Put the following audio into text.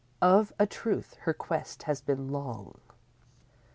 Of a truth her quest has been long."